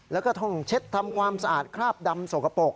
แล้วก็ท่องเช็ดทำความสะอาดคราบดำสกปรก